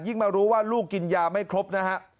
มารู้ว่าลูกกินยาไม่ครบนะฮะ